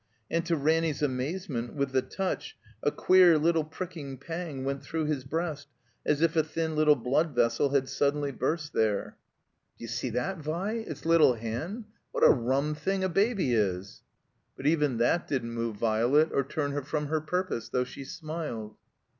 And to Ranny's amazement, with the touch, a queer little pricking pang went through his breast, as if a thin blood vessel had suddenly burst there. IS4 THE COMBINED MAZE "D'you see that, Vi? Its little hand? What a rum thing a baby is!" But even that didn't move Violet, or turn her from her purpose, though she smiled.